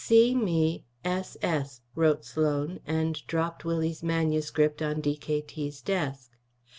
"See me. S.S." wrote Sloan, and dropped Willie's manuscript on D.K.T.'s desk.